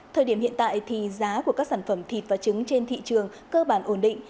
thời điểm hiện tại thì giá của các sản phẩm thịt và trứng trên thị trường cơ bản ổn định